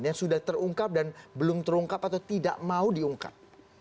yang sudah terungkap dan belum terungkap atau tidak mau diungkap